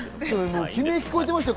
悲鳴が聞こえてましたよ。